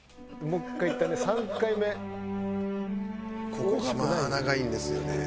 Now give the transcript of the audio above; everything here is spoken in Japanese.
ここがまあ長いんですよね。